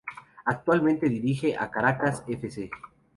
Actualmente dirige a Caracas F. C..